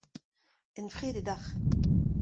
Enfredet oc'h !